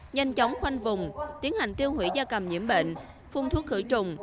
nhanh chóng khoanh vùng tiến hành tiêu hủy da cầm nhiễm bệnh phun thuốc khử trùng